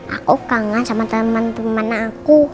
aku kangen sama temen temen aku